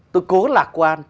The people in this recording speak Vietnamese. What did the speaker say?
tôi cố lạc quan